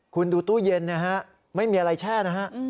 คุณดูตู้เย็นนะฮะไม่มีอะไรแช่นะฮะ